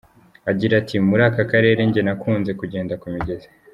Agira ati “Muri aka karere njye nakunze kugenda ku migezi.